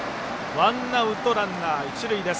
ワンアウト、ランナー、一塁です。